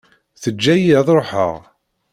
Teǧǧa-iyi ad ṛuḥeɣ.